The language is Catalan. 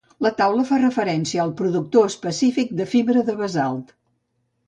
La taula fa referència al productor específic de fibra de basalt.